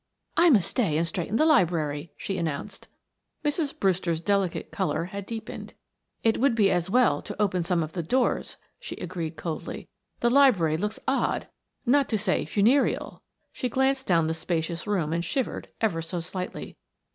"I must stay and straighten the library," she announced. Mrs. Brewster's delicate color had deepened. "It would be as well to open some of the doors," she agreed coldly. "The library looks odd, not to say funereal," she glanced down the spacious room and shivered ever so slightly.